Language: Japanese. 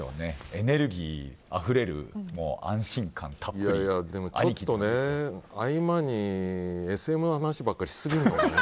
エネルギーあふれる合間にＳＭの話ばっかりしすぎなんだよ。